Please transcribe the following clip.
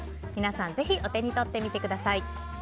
ぜひ、お手に取ってみてください。